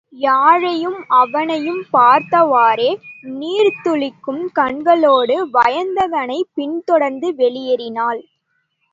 யாழையும் அவனையும் பார்த்தவாறே நீர் துளிக்கும் கண்களோடு வயந்தகனைப் பின்தொடர்ந்து வெளியேறினாள்.